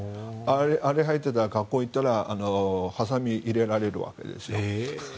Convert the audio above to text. あれをはいて学校に行ったらハサミを入れられるわけです。